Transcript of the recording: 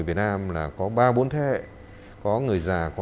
thứ hai là thời tiết